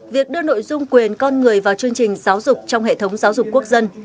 việc đưa nội dung quyền con người vào chương trình giáo dục trong hệ thống giáo dục quốc dân